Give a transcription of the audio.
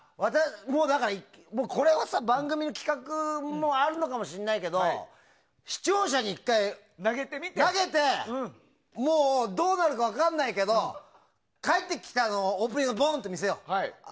これはさ、番組の企画もあるのかもしれないけど視聴者に１回投げてどうなるか分からないけど返ってきたのをオープニングで見せよう。